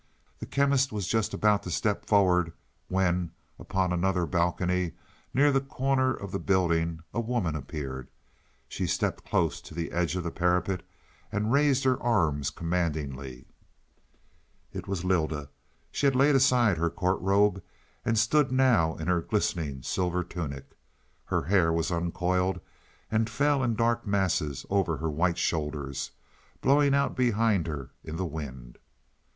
The Chemist was just about to step forward, when, upon another balcony, nearer the corner of the building a woman appeared. She stepped close to the edge of the parapet and raised her arms commandingly. It was Lylda. She had laid aside her court robe and stood now in her glistening silver tunic. Her hair was uncoiled, and fell in dark masses over her white shoulders, blowing out behind her in the wind.